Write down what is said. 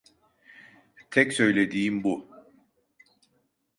Tek söylediğim bu.